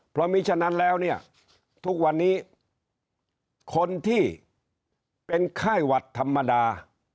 เพราะมีฉะนั้นแล้วเนี่ยทุกวันนี้คนที่เป็นไข้หวัดธรรมดา